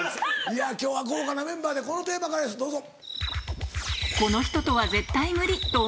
今日は豪華なメンバーでこのテーマからですどうぞ。